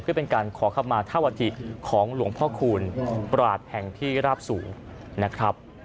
เพื่อเป็นการขอข้ามาท่าวอาทิของหลวงพ่อคูณประอาทแผ่งที่ราบสูง